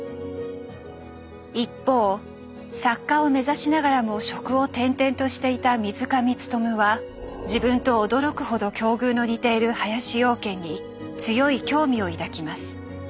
一方作家を目指しながらも職を転々としていた水上勉は自分と驚くほど境遇の似ている林養賢に強い興味を抱きます。